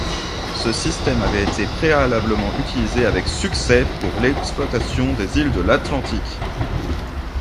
Ce système avait été préalablement utilisé avec succès pour l'exploitation des îles de l'Atlantique.